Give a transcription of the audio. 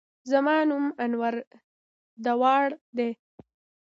زما نوم انور داوړ دی.